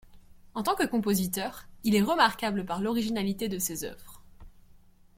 En tant que compositeur, il est remarquable par l'originalité de ses œuvres.